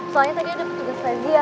soalnya tadi ada petugas lagi ya